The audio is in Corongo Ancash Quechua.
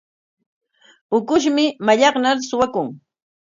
Ukushmi mallaqnar suwakun.